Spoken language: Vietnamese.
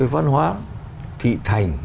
văn hóa thị thành